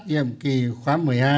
nhiệm kỳ khóa một mươi hai